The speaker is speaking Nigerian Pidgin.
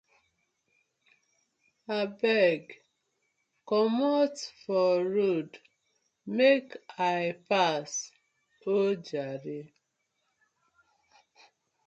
Abeg komot for road mek I pass oh jare.